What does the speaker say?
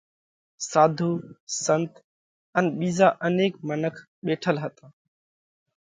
ساڌُو، سنت ان ٻِيزا انيڪ منک ٻيٺل هتا۔